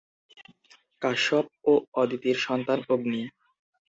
কাশ্যপ ও অদিতির সন্তান অগ্নি।